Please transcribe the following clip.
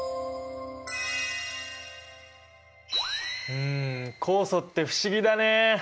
うん酵素って不思議だね！